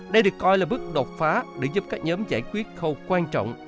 đây được coi là bước đột phá để giúp các nhóm giải quyết khâu quan trọng